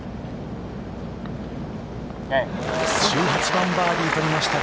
１８番、バーディーを取りました。